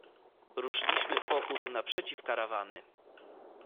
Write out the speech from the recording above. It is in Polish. "Ruszyliśmy w pochód naprzeciw karawany."